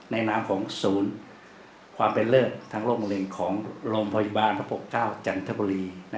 ในน้ำของศูนย์ความเป็นเริกทั้งโรคมะเร็งของโรงพยาบาลพ๙จันทบุรี